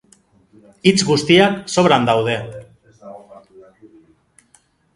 Hitz guztiak sobran daude.